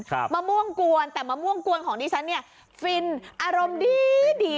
มะม่วงกวนแต่มะม่วงกวนของดิฉันเนี่ยฟินอารมณ์ดีดี